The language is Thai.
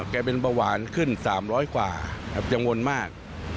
อ๋อแกเป็นบะหวานขึ้น๓๐๐กว่าจะงวนมาก